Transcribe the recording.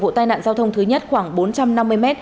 vụ tai nạn giao thông thứ nhất khoảng bốn trăm năm mươi m